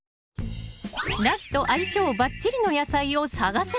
ナスと相性ばっちりの野菜を探せ！